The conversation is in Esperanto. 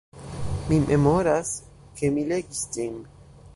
Mi memoras, ke mi legis ĝin.